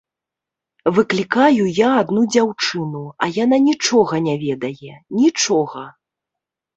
Выклікаю я адну дзяўчыну, а яна нічога не ведае, нічога.